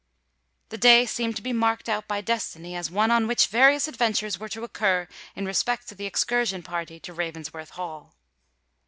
The day seemed to be marked out by destiny as one on which various adventures were to occur in respect to the excursion party to Ravensworth Hall.